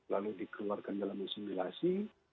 lalu dikeluarkan dalam insimilasi